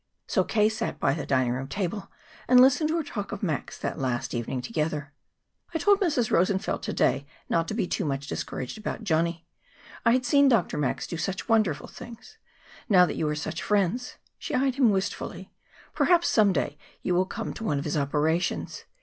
So K. sat by the dining room table and listened to her talk of Max that last evening together. "I told Mrs. Rosenfeld to day not to be too much discouraged about Johnny. I had seen Dr. Max do such wonderful things. Now that you are such friends," she eyed him wistfully, "perhaps some day you will come to one of his operations.